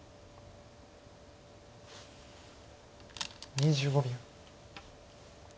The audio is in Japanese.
２５秒。